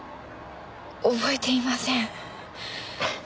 覚えていません。